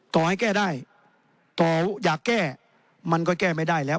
ต่อให้แก้ได้ต่ออยากแก้มันก็แก้ไม่ได้แล้ว